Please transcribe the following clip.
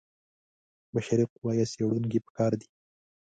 بشري قوه یا څېړونکي په کار دي.